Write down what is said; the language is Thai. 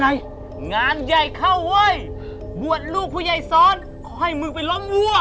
งานใหญ่เข้าเว้ยบวชลูกผู้ใหญ่ซ้อนค่อยมึงไปล้มวัว